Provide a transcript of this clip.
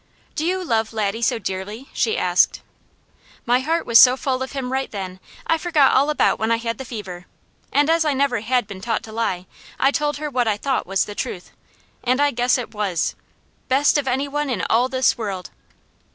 "Do you love Laddie so dearly?" she asked. My heart was full of him right then; I forgot all about when I had the fever, and as I never had been taught to lie, I told her what I thought was the truth, and I guess it WAS: "Best of any one in all this world!"